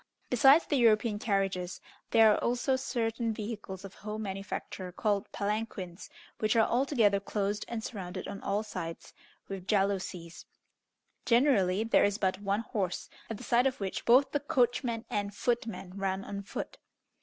Besides the European carriages, there are also certain vehicles of home manufacture called palanquins, which are altogether closed and surrounded on all sides with jalousies. Generally, there is but one horse, at the side of which both the coachman and footman run on foot.